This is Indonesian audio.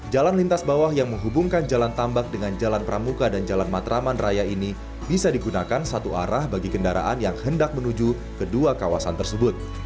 jalan lintas bawah yang menghubungkan jalan tambak dengan jalan pramuka dan jalan matraman raya ini bisa digunakan satu arah bagi kendaraan yang hendak menuju kedua kawasan tersebut